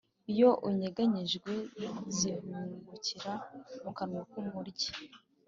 iyo unyeganyejwe zihungukira mu kanwa k’umuryi.